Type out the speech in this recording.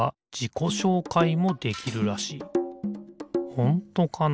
ほんとかな？